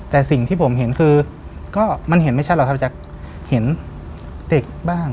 แต่สิ่งที่ผมเห็นคือก็มันเห็นไม่ใช่หรอกครับพี่แจ๊คเห็นเด็กบ้าง